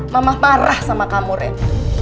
mama marah sama kamu ren